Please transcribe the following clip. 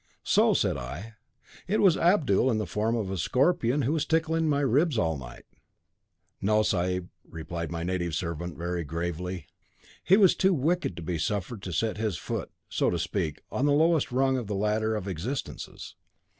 'So,' said I, 'it was Abdul in the form of a scorpion who was tickling my ribs all night.' 'No, sahib,' replied my native servant very gravely. He was too wicked to be suffered to set his foot, so to speak, on the lowest rung of the ladder of existences.